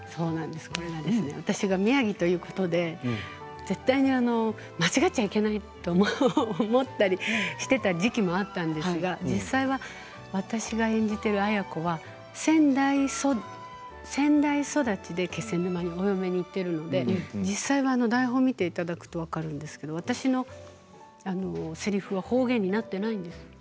これがですね宮城ということで絶対に間違っちゃいけないと思ったりしていた時期もあったんですが実際は私が演じている亜哉子は仙台育ちで気仙沼にお嫁に行っているので実際は台本を見ていただくと分かるんですが私のせりふは方言になっていないんです。